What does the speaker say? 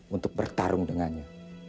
untuk bertarung dengannya